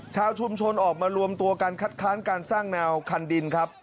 ชาวชุมชนออกมารวมตัวกันคัดค้านการสร้างแนวคันดินครับ